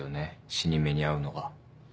死に目に会うのが。